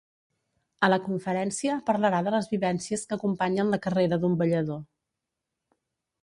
A la conferència parlarà de les vivències que acompanyen la carrera d’un ballador.